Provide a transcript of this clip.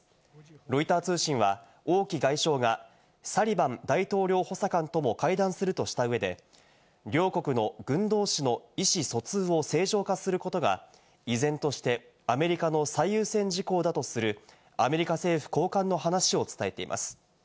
ロイター通信はオウ・キ外相がサリバン大統領補佐官とも会談するとした上で、両国の軍同士の意思疎通を正常化することが依然としてアメリカの最優先事項だとするアメリカ政府高官の話を伝えています。